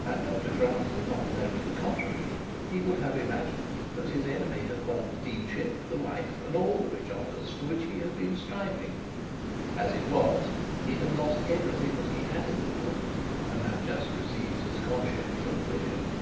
Had Dr Grantly not known to the contrary, he would have imagined that his enemy had won the deanship, the wife, and all the rich honours, for which he had been striving. As it was he had lost everything that he had in the world, and had just received his conge from the bishop.